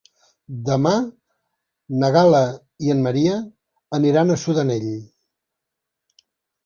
Demà na Gal·la i en Maria aniran a Sudanell.